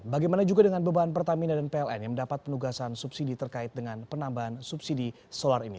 bagaimana juga dengan beban pertamina dan pln yang mendapat penugasan subsidi terkait dengan penambahan subsidi solar ini